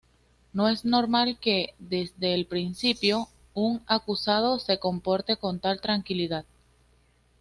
No es normal que, desde el principio, un acusado se comporte con tal tranquilidad.